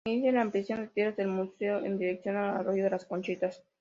Se inicia la ampliación de tierras del museo en dirección al arroyo Las Conchitas.